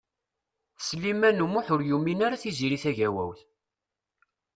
Sliman U Muḥ ur yumin ara Tiziri Tagawawt.